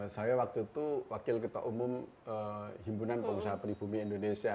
saya waktu itu wakil ketua umum himpunan pengusaha peribumi indonesia